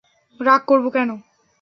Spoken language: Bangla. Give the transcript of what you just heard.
রাগ করবো কেন?